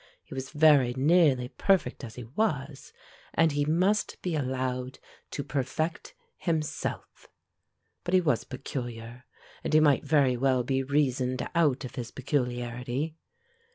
He was very nearly perfect as he was, and he must be allowed to perfect himself. But he was peculiar, and he might very well be reasoned out of his peculiarity.